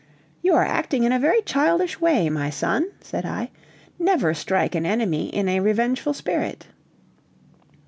"You are acting in a very childish way, my son," said I; "never strike an enemy in a revengeful spirit."